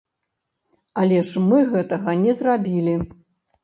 Але ж мы гэтага не зрабілі.